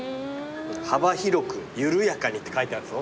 「幅広く」「ゆるやかに」って書いてあるぞ。